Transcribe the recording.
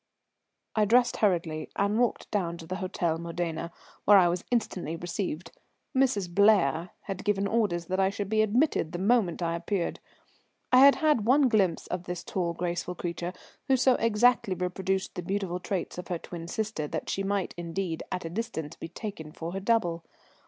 I dressed hurriedly and walked down to the Hôtel Modena, where I was instantly received. "Mrs. Blair" had given orders that I should be admitted the moment I appeared. I had had one glimpse of this tall, graceful creature, who so exactly reproduced the beautiful traits of her twin sister that she might indeed at a distance be taken for her double.